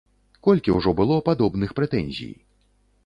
Колькі ўжо было падобных прэтэнзій.